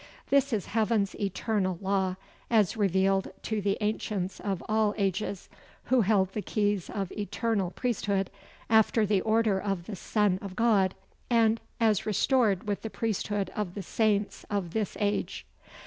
This is heaven's eternal law, as revealed to the ancients of all ages, who held the keys of eternal priesthood, after the order of the Son of God; and, as restored with the priesthood of the Saints of this age.